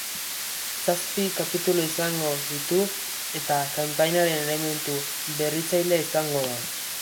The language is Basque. Zazpi kapitulu izango, ditu eta kanpainaren elementu berritzailea izango da.